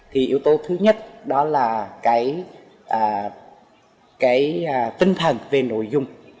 thì yếu tố thứ nhất đó là cái tinh thần về nội dung